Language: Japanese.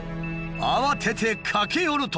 慌てて駆け寄ると。